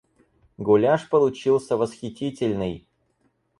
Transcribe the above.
Гуляш получился восхитительный.